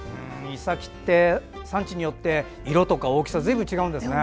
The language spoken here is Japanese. イサキって産地によって色とか大きさがずいぶん違うんですね。